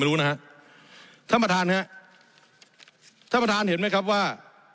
รู้นะฮะท่านประธานฮะท่านประธานเห็นไหมครับว่า